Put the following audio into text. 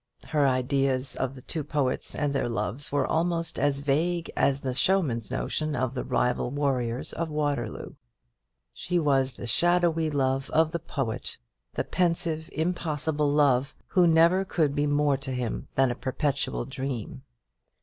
Her ideas of the two poets and their loves were almost as vague as the showman's notion of the rival warriors of Waterloo. She was the shadowy love of the poet, the pensive impossible love, who never could be more to him than a perpetual dream.